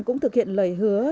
cũng thực hiện lời hứa